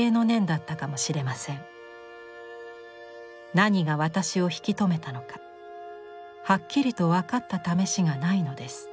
何が私を引き留めたのかはっきりとわかったためしがないのです」。